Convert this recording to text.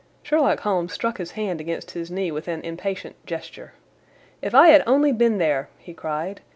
Sherlock Holmes struck his hand against his knee with an impatient gesture. "If I had only been there!" he cried.